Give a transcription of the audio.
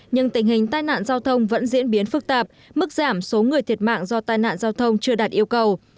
nhưng tình hình tai nạn giao thông vẫn diễn biến phức tạp mức giảm số người thiệt mạng do tai nạn giao thông chưa đạt yêu cầu